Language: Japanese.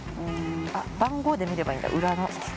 番号で見ればいいんだ裏の。